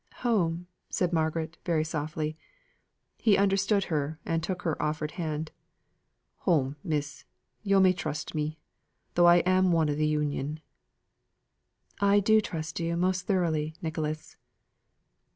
"Home?" said Margaret very softly. He understood her, and took her offered hand. "Home, miss. Yo' may trust me, tho' I am one o' th' Union." "I do trust you most thoroughly, Nicholas."